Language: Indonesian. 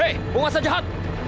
hei penguasa jahat